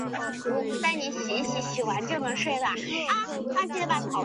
高茎毛兰为兰科毛兰属下的一个种。